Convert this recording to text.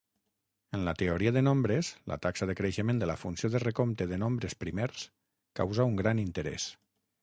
En la teoria de nombres, la taxa de creixement de la funció de recompte de nombres primers causa un gran interès.